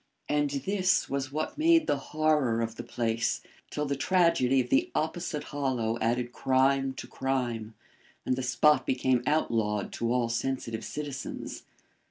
And this was what made the horror of the place till the tragedy of the opposite hollow added crime to crime, and the spot became outlawed to all sensitive citizens.